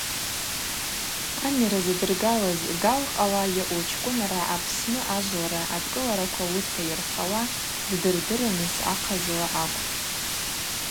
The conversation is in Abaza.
Анйара задыргалыз Гал къала йауу чкӏвыныргӏа Апсны ажвлара адкӏылараква уыста йырхауа ддырдырырныс ахъазла акӏвпӏ.